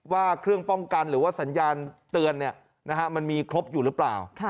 ว่าเครื่องป้องกันหรือว่าสัญญาณเตือนมันมีครบอยู่หรือเปล่า